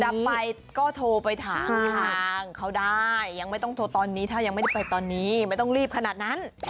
จะไปก็โทรไปถามทางเขาได้ยังไม่ต้องโทรตอนนี้ถ้ายังไม่ได้ไปตอนนี้ไม่ต้องรีบขนาดนั้น